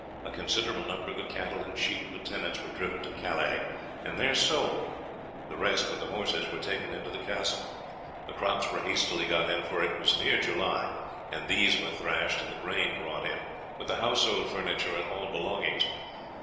A considerable number of the cattle and sheep of the tenants were driven to Calais and there sold, the rest, with the horses, were taken into the castle. The crops were hastily got in, for it was near July, and these were thrashed and the grain brought in, with the household furniture and all belongings.